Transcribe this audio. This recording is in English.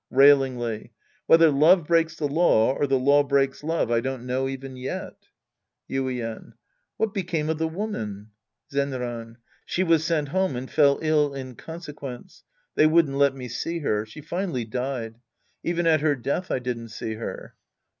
{Railingly.) Whether love breaks the law, or the law breaks love, I don't know even yet. Yuien. What became of the woman ? Zetiran. She was sent home, and fell ill in con sequence. They would't let me see her. She finally died. Even at her death, I didn't see her.